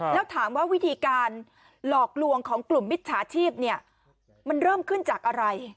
แล้วถามว่าวิธีการหลอกลวงของกลุ่มมิจฉาชีพเนี่ยมันเริ่มขึ้นจากอะไร